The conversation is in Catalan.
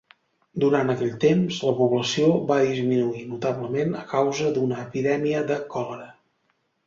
Durant aquell temps, la població va disminuir notablement a causa d'una epidèmia de còlera.